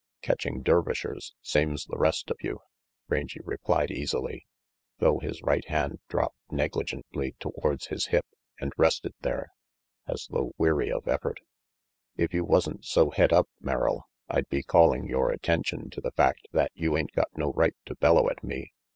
"Catching Dervishers same's the rest of you," Rangy replied easily, though his right hand dropped negligently towards his hip and rested there, as though weary of effort. "If you wasn't so het up, Merrill, I'd be calling your attention to the fact that you ain't got no right to bellow at me.